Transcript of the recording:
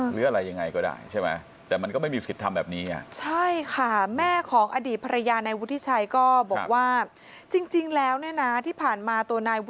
เหลืออะไรอย่างไรก็ได้ใช่ไหมแต่มันก็ไม่มีศิษย์ทำแบบนี้อ่ะ